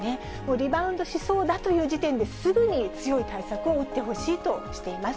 リバウンドしそうだという時点ですぐに強い対策を打ってほしいとしています。